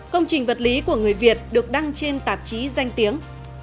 công trình vật lý của người việt được đăng trên tạp chí danh tiếng